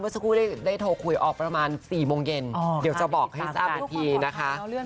สักครู่ได้โทรคุยออกประมาณ๔โมงเย็นเดี๋ยวจะบอกให้ทราบอีกทีนะคะ